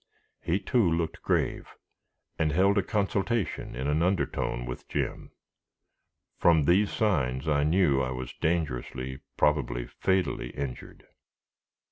He, too, looked grave, and held a consultation in an undertone with Jim. From these signs, I knew I was dangerously, probably fatally injured.